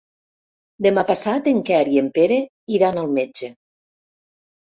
Demà passat en Quer i en Pere iran al metge.